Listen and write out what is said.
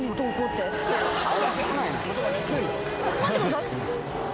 待ってください。